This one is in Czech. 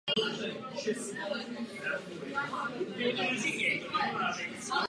Mám na mysli také pozitivní výsledky bývalé rakousko-uherské monarchie.